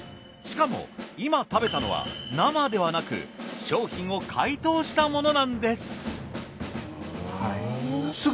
しかも今食べたのは生ではなく商品を解凍したものなんです。